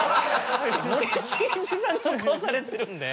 森進一さんの顔されてるんで。